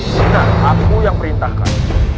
tidak aku yang perintahkan